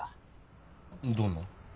どんな？